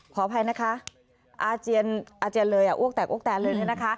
ขออภัยนะคะอาเจียนเลยอ้วกแตกอ้วกแตนเลยนะคะ